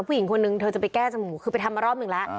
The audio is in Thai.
ผู้หญิงคนนึงเธอจะไปแก้จมูกคือไปทำมารอบหนึ่งแล้ว